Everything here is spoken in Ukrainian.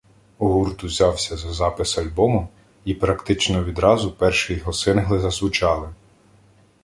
гурт узявся за запис альбому і практично відразу перші його сингли зазвучали